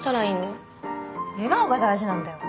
笑顔が大事なんだよ。